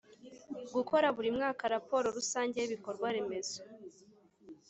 gukora buri mwaka raporo rusange y ibikorwa remezo